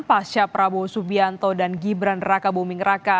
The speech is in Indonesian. pasca prabowo subianto dan gibran raka buming raka